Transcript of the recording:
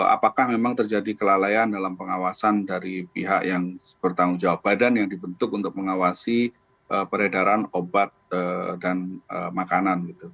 apakah memang terjadi kelalaian dalam pengawasan dari pihak yang bertanggung jawab badan yang dibentuk untuk mengawasi peredaran obat dan makanan